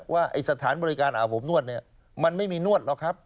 ไอ้สถานบริการอาบอบนวดเนี่ยมันไม่มีนวดหรอกครับ